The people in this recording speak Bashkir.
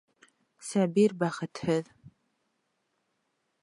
Сабир бәхетһеҙ...